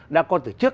đã có từ trước